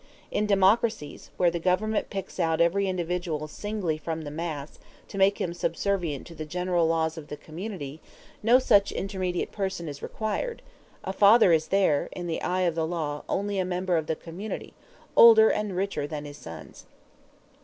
In democracies, where the government picks out every individual singly from the mass, to make him subservient to the general laws of the community, no such intermediate person is required: a father is there, in the eye of the law, only a member of the community, older and richer than his sons.